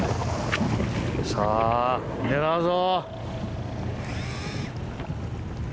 さぁ狙うぞ。